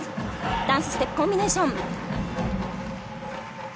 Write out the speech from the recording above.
ダンス、ステップ、コンビネーション。